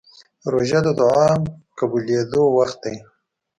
روژه د دعا قبولېدو وخت دی.